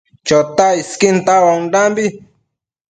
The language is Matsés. Chotac isquin tauaondambi